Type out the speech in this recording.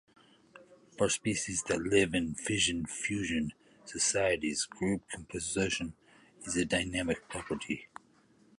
For species that live in fission-fusion societies, group composition is a dynamic property.